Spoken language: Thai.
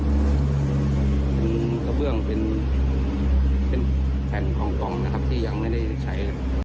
เป็นกระเบื้องเป็นแผ่นของกล่องนะครับที่ยังไม่ได้ใช้